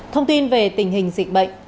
thông tin về tình hình dịch bệnh